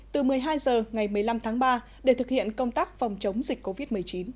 từ một mươi hai h ngày một mươi năm tháng ba để thực hiện công tác phòng chống dịch covid một mươi chín